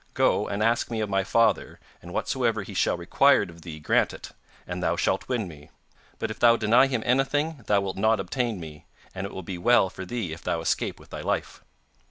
Go, and ask me of my father, and whatsoever he shall required of thee grant it, and thou shalt win me; but if thou deny him anything thou wilt not obtain me, and it will be well for thee if thou escape with thy life.